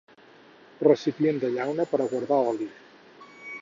Recipient de llauna per a guardar oli.